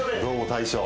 大将。